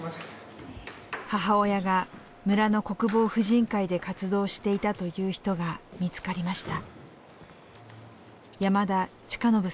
母親が村の国防婦人会で活動していたという人が見つかりました。